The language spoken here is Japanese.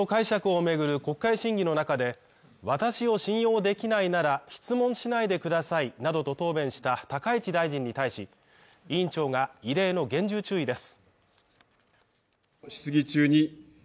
放送法の解釈を巡る国会審議の中で私を信用できないなら質問しないでくださいなどと答弁した高市大臣に対し委員長が異例の厳重注意です。